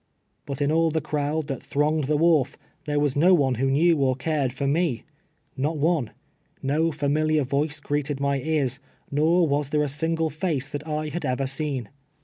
But in all the crowd that thronged the wharf, there was no one Avho knew or cared for me. jSTot one. Ko tamiliar yoice greeted my ears, nor was there a single face that I had ever seen.